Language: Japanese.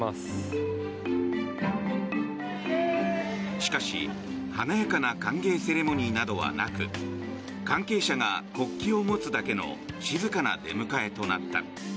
しかし、華やかな歓迎セレモニーなどはなく関係者が国旗を持つだけの静かな出迎えとなった。